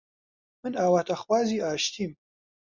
من ئاواتخوازی ئاشتیم